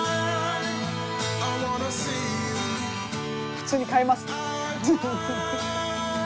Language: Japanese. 普通に買いますね。